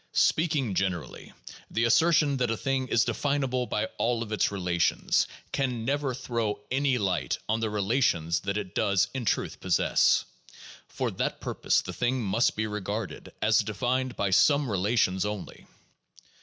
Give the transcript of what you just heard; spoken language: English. Speaking generally, the assertion that a thing is definable by all of its relations, can never throw any light on the relations that it does in truth possess. For that purpose the thing must be regarded as defined by some relations only.